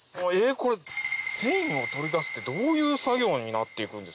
これ繊維を取り出すってどういう作業になって行く？